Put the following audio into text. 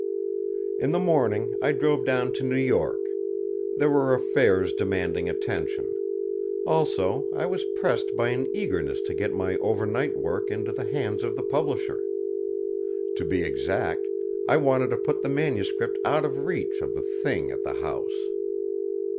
In the morning I drove down to New York. There were affairs demanding attention. Also, I was pressed by an eagerness to get my over night work into the hands of the publisher. To be exact, I wanted to put the manuscript out of reach of the Thing at the house.